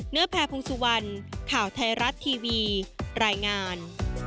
เนื้อแพร่พรุงสุวรรณข่าวไทยรัฐทีวีรายงาน